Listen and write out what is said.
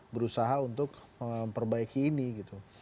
berusaha untuk memperbaiki ini gitu